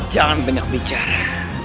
jangan banyak bicara